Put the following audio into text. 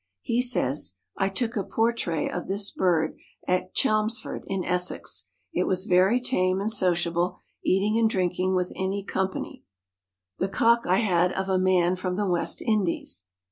He says: "I took a pourtray of this bird at Chelmsford in Essex; it was very tame and sociable, eating and drinking with any company. The Cock I had of a man from the West Indies.